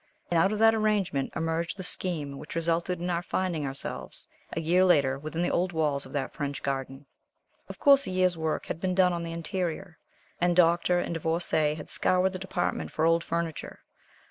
And out of that arrangement emerged the scheme which resulted in our finding ourselves, a year later, within the old walls of that French garden. Of course a year's work had been done on the interior, and Doctor and Divorcée had scoured the department for old furniture.